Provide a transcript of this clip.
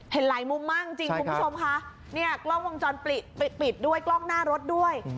เห็นหลายมุมมากจริงคุณผู้ชมค่ะเนี่ยกล้องวงจรปิดปิดด้วยกล้องหน้ารถด้วย